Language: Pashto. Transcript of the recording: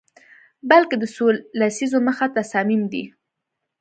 بلکه د څو لسیزو مخه تصامیم دي